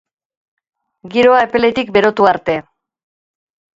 Giroa epeletik berotu arte!